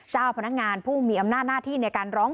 เจ้าพนักงานผู้มีอำนาจหน้าที่ในการร้อง